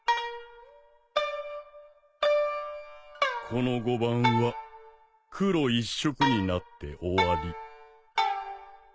この碁盤は黒一色になって終わり。